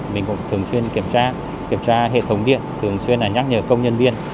mình cũng thường xuyên kiểm tra hệ thống điện thường xuyên nhắc nhở công nhân viên